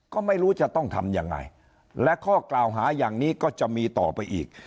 ก็ไม่รู้จะต้องทำยังไงและข้อกล่าวหาอย่างนี้ก็จะมีต่อไปอีก